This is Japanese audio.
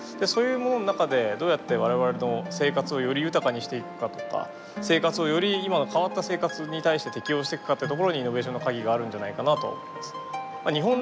そういうものの中でどうやって我々の生活をより豊かにしていくかとか生活をより今の変わった生活に対して適応していくかってところにイノベーションのカギがあるんじゃないかなと思います。